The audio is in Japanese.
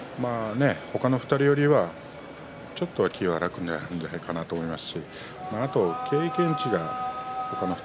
他の２人よりはちょっと気が楽になるんじゃないかなと思いますし